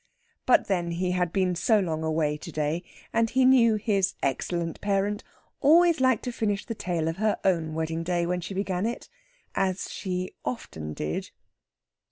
But then he had been so long away to day, and he knew his excellent parent always liked to finish the tale of her own wedding day when she began it as she often did.